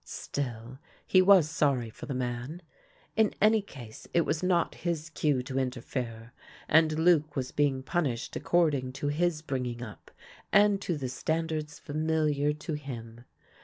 Still, he was sorry for the man. In any case, it was not his cue to interfere, and Luc was being punished according to his bringing up and to the standards familiar to him.